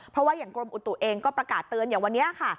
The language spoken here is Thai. เพราะว่าอย่างกรมอุตุเองก็ประกาศเตือนอย่างวันนี้ค่ะ